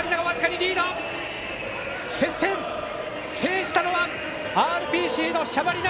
制したのはＲＰＣのシャバリナ。